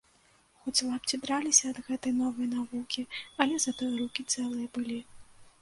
Хоць лапці драліся ад гэтай новай навукі, але затое рукі цэлыя былі.